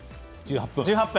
１８分。